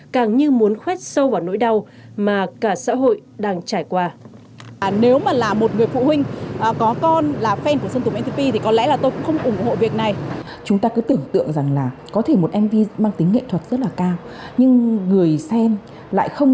càng như muốn khoét sâu vào nỗi đau mà cả xã hội đang trải qua